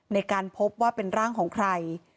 ในการพบว่าเป็นร่างของใคร